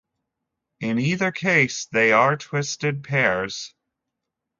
In either case they are twisted pairs.